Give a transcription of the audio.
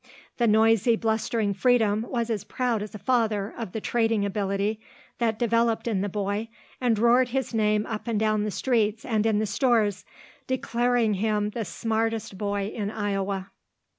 The noisy, blustering Freedom was as proud as a father of the trading ability that developed in the boy and roared his name up and down the streets and in the stores, declaring him the smartest boy in Iowa.